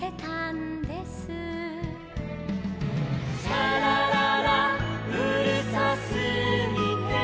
「シャラララうるさすぎて」